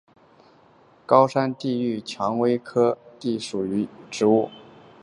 高山地榆是蔷薇科地榆属的植物。